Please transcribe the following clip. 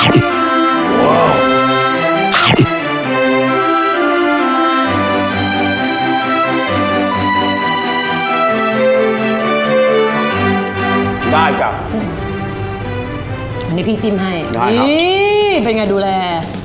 ได้จ้ะอันนี้พี่จิ้มให้ได้ครับอีเป็นไงดูแล